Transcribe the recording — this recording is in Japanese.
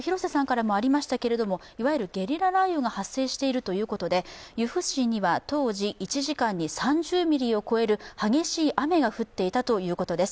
いわゆるゲリラ雷雨が発生しているということで由布市には当時、１時間に３０ミリを超える激しい雨が降っていたということです。